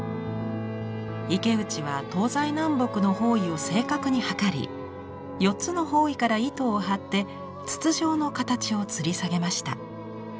池内は東西南北の方位を正確に測り４つの方位から糸を張って筒状の形をつり下げました。